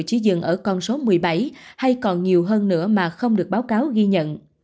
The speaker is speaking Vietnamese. chỉ dừng ở con số một mươi bảy hay còn nhiều hơn nữa mà không được báo cáo ghi nhận